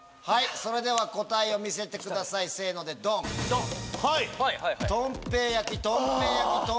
それでは答えを見せてくださいせのでドン！